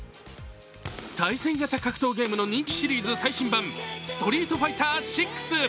対戦型格闘ゲームの人気シリーズ最新版「ストリートファイター６」。